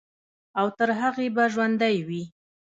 او تر هغې به ژوندے وي،